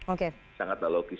oke sangat tidak logis